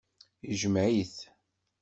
Ijmeɛ-it.